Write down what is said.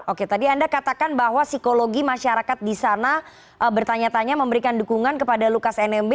oke tadi anda katakan bahwa psikologi masyarakat di sana bertanya tanya memberikan dukungan kepada lukas nmb